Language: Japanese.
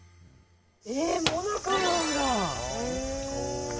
えー、もなかなんだ。